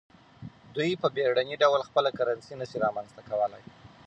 دوی په بیړني ډول خپله کرنسي نشي رامنځته کولای.